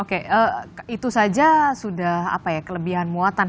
oke itu saja sudah apa ya kelebihan muatan